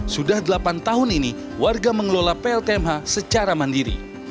sudah delapan tahun ini warga mengelola pltmh secara mandiri